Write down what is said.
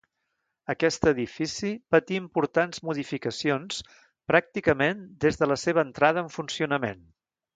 Aquest edifici patí importants modificacions pràcticament des de la seva entrada en funcionament.